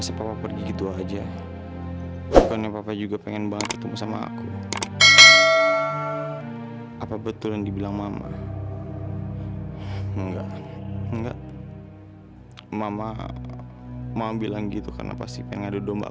sampai jumpa di video selanjutnya